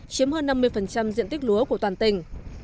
chiếm hơn năm mươi diện tích lúa của toàn tỉnh